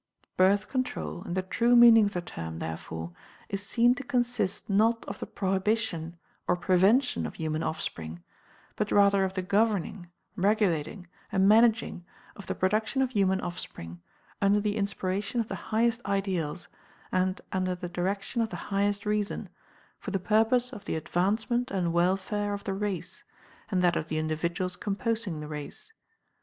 Birth Control, in the true meaning of the term, therefore, is seen to consist not of the PROHIBITION or PREVENTION of human offspring, but rather of the GOVERNING, REGULATING, AND MANAGING of the production of human offspring, under the inspiration of the highest ideals and under the direction of the highest reason, for the purpose of the advancement and welfare of the race and that of the individuals composing the race.